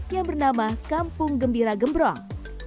yang bernama kampung gembira gembrong